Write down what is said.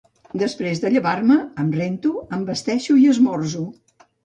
Després de llevar-me, em rento, em vesteixo i esmorzo.